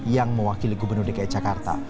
yang mewakili gubernur dki jakarta